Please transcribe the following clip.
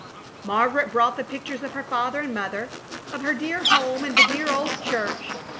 Margaret brought the pictures of her father and mother, of her dear home and the dear old church.